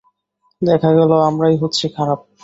দেখা গেলো আমরাই হচ্ছি খারাপ।